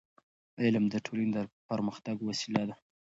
علم د ټولنې د پرمختګ وسیله ده.